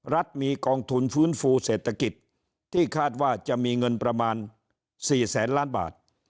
รัฐมีกองทุนฟื้นฟูเศรษฐกิจที่คาดว่าจะมีเงินประมาณ๔แสนล้านบาท